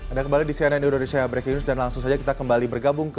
anda kembali di cnn indonesia breaking news dan langsung saja kita kembali bergabung ke